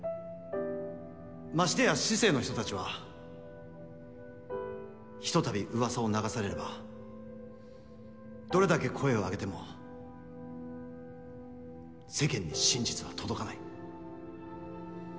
ましてや市井の人たちはひとたび噂を流されればどれだけ声を上げても世間に真実は届かない。